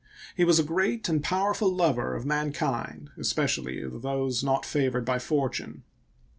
He was a great and powerful lover of man kind, especially of those not favored by fortune.